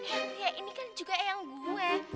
eyang ria ini kan juga eyang gue